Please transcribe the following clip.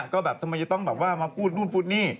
ก็แบบทำไมจะต้องแบบว่ามาพูดนู่นพูดนี่